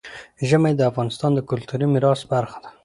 ژمی د افغانستان د کلتوري میراث برخه ده.